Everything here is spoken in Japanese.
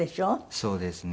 そうですね。